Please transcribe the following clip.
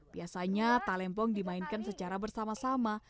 biasanya talempong dimainkan secara bersama sama